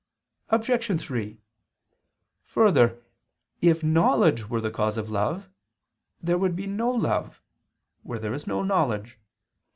Obj. 3: Further, if knowledge were the cause of love, there would be no love, where there is no knowledge.